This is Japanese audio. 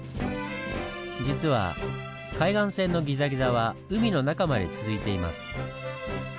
実は海岸線のギザギザは海の中まで続いています。